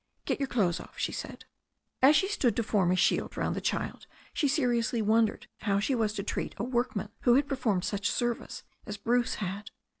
"Get your clothes off," she said. As she stood to form a shield round the child she seriously wondered how she was to treat a workman who had per formed such service as firuce had.